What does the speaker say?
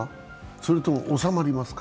それとも収まりますか？